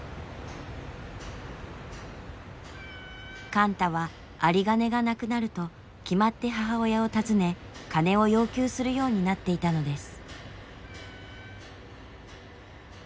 貫多は有り金がなくなると決まって母親を訪ね金を要求するようになっていたのです。